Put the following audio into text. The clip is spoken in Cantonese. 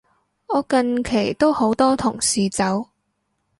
我近期都好多同事走